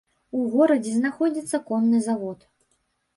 У горадзе знаходзіцца конны завод.